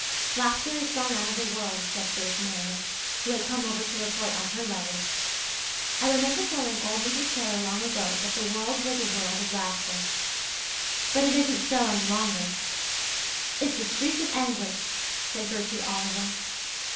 "Laughter is gone out of the world," said Faith Meredith, who had come over to report on her letters. "I remember telling old Mrs. Taylor long ago that the world was a world of laughter. But it isn't so any longer." "It's a shriek of anguish," said Gertrude Oliver.